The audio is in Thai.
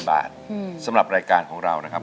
บาทสำหรับรายการของเรานะครับ